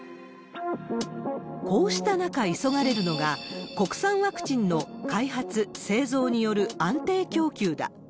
こうした中、急がれるのが国産ワクチンの開発・製造による安定供給だ。